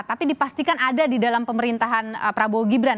tapi dipastikan ada di dalam pemerintahan prabowo gibran